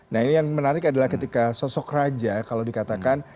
nah ini yang menarik adalah ketika sosok raja kalau dikatakan